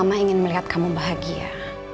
mama ingin melihat kamu bahagia